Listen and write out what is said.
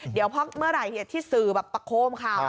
เดี๋ยวเมื่อไหร่ที่สื่อประโคมข่าว